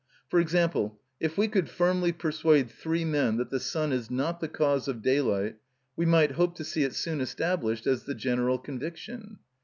For example, if we could firmly persuade three men that the sun is not the cause of daylight, we might hope to see it soon established as the general conviction.